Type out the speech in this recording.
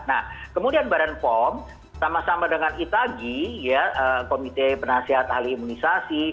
nah kemudian badan pom sama sama dengan itagi komite penasehat ahli imunisasi